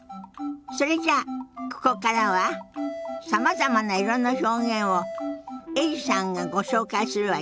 それじゃあここからはさまざまな色の表現をエリさんがご紹介するわよ。